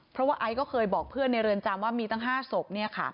เพราะว่าไอซ์ก็เคยบอกเพื่อนในเรือนจำว่ามีตั้ง๕ศพ